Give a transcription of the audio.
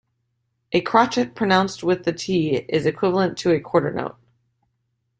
A crotchet, pronounced with the t, is equivalent to a quarter note